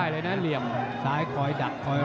ต้องเต็มข่าวเร็ว